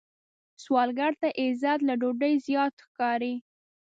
سوالګر ته عزت له ډوډۍ زیات ښکاري